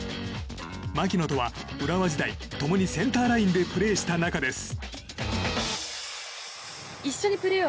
槙野とは浦和時代共にセンターラインでプレーした仲です。